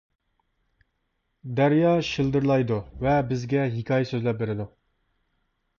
دەريا شىلدىرلايدۇ ۋە بىزگە ھېكايە سۆزلەپ بېرىدۇ.